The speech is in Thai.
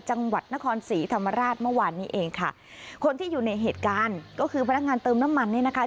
จังหวัดนครศรีธรรมราชเมื่อวานนี้เองค่ะคนที่อยู่ในเหตุการณ์ก็คือพนักงานเติมน้ำมันเนี่ยนะคะ